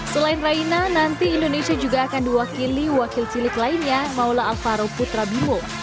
selain raina nanti indonesia juga akan diwakili wakil cilik lainnya maula alvaro putra bimo